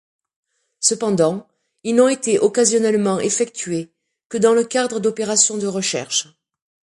Cependant, ils n'ont été occasionnellement effectués que dans le cadre d'opérations de recherche.